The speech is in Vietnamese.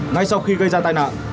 ngay sau khi gây ra tai nạn